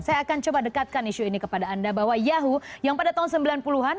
saya akan coba dekatkan isu ini kepada anda bahwa yahoo yang pada tahun sembilan puluh an